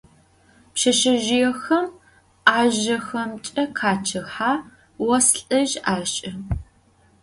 Pşseşsezjıêxem 'ajjexemç'e khaççıhe, vos lh'ızj aş'ı.